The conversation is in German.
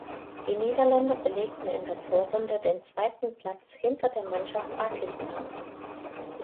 Die Niederländer belegten in der Vorrunde den zweiten Platz hinter der Mannschaft Pakistans.